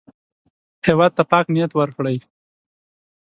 هېواد ته پاک نیت ورکړئ